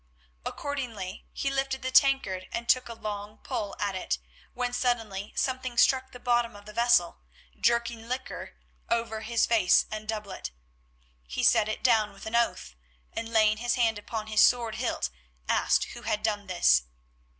Accordingly he lifted the tankard and took a long pull at it, when suddenly something struck the bottom of the vessel, jerking liquor over his face and doublet. He set it down with an oath, and laying his hand upon his sword hilt asked who had done this.